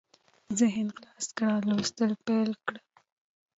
ذهن خلاص کړه لوستل پېل کړه